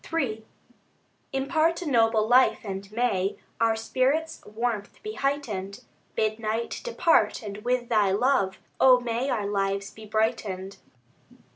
III Impart a noble life, and may Our spirit's warmth be heightened. Bid night depart, and with Thy love, O may our lives be brightened.